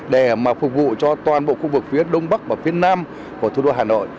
để mà phục vụ cho toàn bộ khu vực phía đông bắc và phía nam của thủ đô hà nội